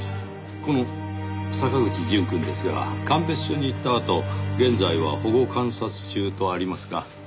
この坂口淳くんですが鑑別所に行ったあと現在は保護観察中とありますが。